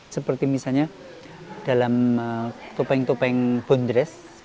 seperti misalnya dalam topeng topeng bondres